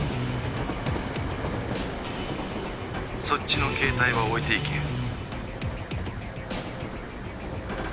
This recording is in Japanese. そっちの携帯は置いていけ。